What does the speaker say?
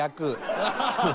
ハハハハ！